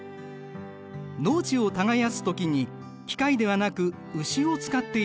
農地を耕す時に機械ではなく牛を使っている。